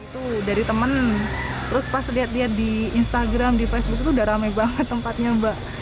itu dari temen terus pas lihat lihat di instagram di facebook itu udah rame banget tempatnya mbak